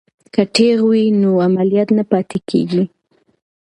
که تیغ وي نو عملیات نه پاتې کیږي.